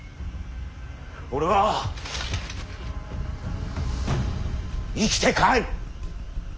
俺は生きて帰る。